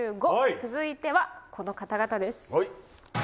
続いては、この方々です。